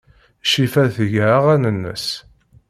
Crifa tga aɣan-nnes.